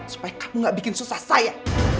supaya kamu gak bikin susah saya